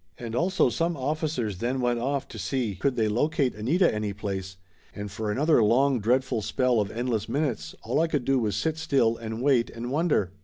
And also some officers then went off to see could 314 Laughter Limited they locate Anita any place, and for another long dread ful spell of endless minutes all I could do was sit still and wait and wonder.